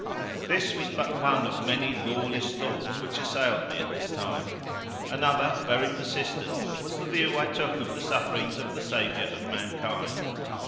This was but one of many lawless thoughts which assailed me at this time. Another, very persistent, was the view I took of the sufferings of the Saviour of mankind.